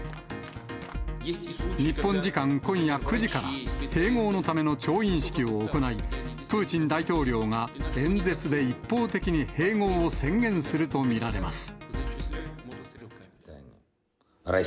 日本時間今夜９時から、併合のための調印式を行い、プーチン大統領が演説で一方的に併合を宣言すると見られます。